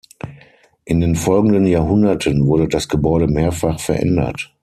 In den folgenden Jahrhunderten wurde das Gebäude mehrfach verändert.